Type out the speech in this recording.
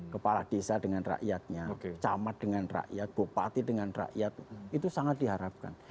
kepala desa dengan rakyatnya camat dengan rakyat bupati dengan rakyat itu sangat diharapkan